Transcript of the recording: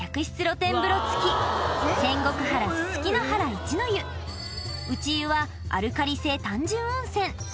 露天風呂つき仙石原ススキの原一の湯内湯はアルカリ性単純温泉